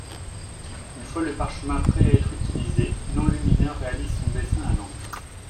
Une fois le parchemin prêt à être utilisé, l'enlumineur réalise son dessin à l'encre.